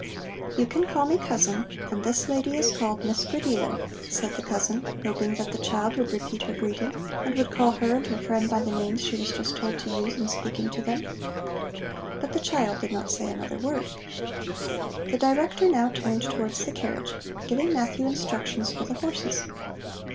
"You can call me cousin, and this lady is called Miss Grideelen," said the cousin, hoping that the child would repeat her greeting and would call her and her friend by the names she was just told to use in speaking to them. But the child did not say another word. The Director now turned towards the carriage, giving Matthew instructions for the horses.